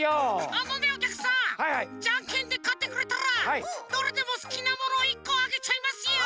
あのねおきゃくさんじゃんけんでかってくれたらどれでもすきなものを１こあげちゃいますよ！